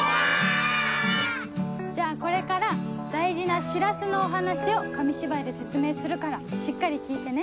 じゃあこれから大事な「しらす」のお話を紙芝居で説明するからしっかり聞いてね。